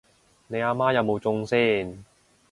你阿媽有冇中先？